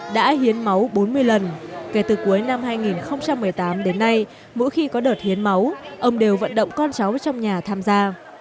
đã hiến máu bốn mươi lần kể từ cuối năm hai nghìn một mươi tám đến nay mỗi khi có đợt hiến máu ông đều vận động con cháu trong nhà tham gia